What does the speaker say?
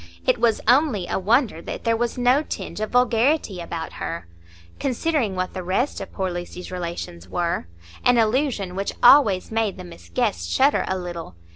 It was only a wonder that there was no tinge of vulgarity about her, considering what the rest of poor Lucy's relations were—an allusion which always made the Miss Guests shudder a little.